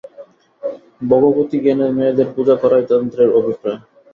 ভগবতীজ্ঞানে মেয়েদের পূজা করাই তন্ত্রের অভিপ্রায়।